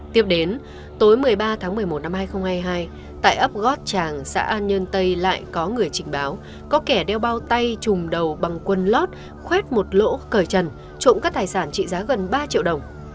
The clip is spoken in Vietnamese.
tiếp đến tối một mươi ba tháng một mươi một năm hai nghìn hai mươi hai tại ấp gót tràng xã an nhơn tây lại có người trình báo có kẻ đeo bao tay chùm đầu bằng quân lót khoét một lỗ cờ trần trộm các tài sản trị giá gần ba triệu đồng